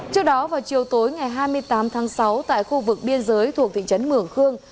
trước đó vào chiều tối ngày hai mươi tám tháng sáu tại khu vực biên giới thuộc thị trấn mường khương